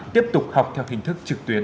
tiếp tục học theo hình thức trực tuyến